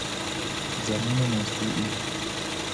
زمین مزروعی